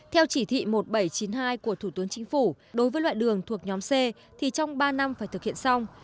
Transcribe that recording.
theo chỉ thị một nghìn bảy trăm chín mươi hai của thủ tướng chính phủ đối với loại đường thuộc nhóm c thì trong ba năm phải thực hiện xong